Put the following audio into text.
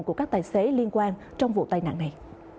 của các tài xế liên quan trong vụ tai nạn này